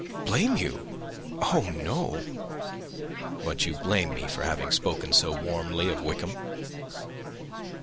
"Blame you! Oh, no." "But you blame me for having spoken so warmly of Wickham?"